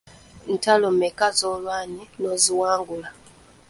Ntalo meka z’olwanye n’oziwangula?